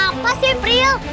apa sih pril